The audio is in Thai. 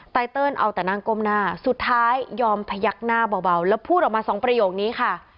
ไตเติลเอาแต่นั่งก้มหน้าสุดท้ายยอมพยักหน้าเบาแล้วพูดออกมาสองประโยคนี้ค่ะ